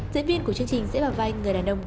diễn viên của chương trình sẽ vào vai người đàn ông